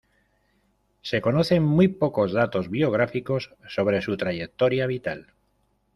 Se conocen muy pocos datos biográficos sobre su trayectoria vital.